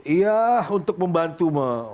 ya untuk membantu